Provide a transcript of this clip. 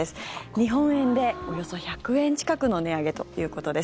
日本円でおよそ１００円近くの値上げということです。